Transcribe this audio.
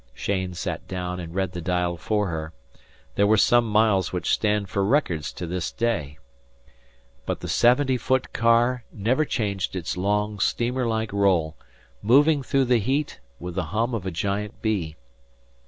Cheyne sat down and read the dial for her (there were some miles which stand for records to this day), but the seventy foot car never changed its long steamer like roll, moving through the heat with the hum of a giant bee.